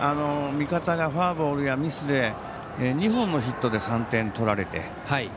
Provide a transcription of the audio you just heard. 味方がフォアボールやミスで２本のヒットで３点取られて。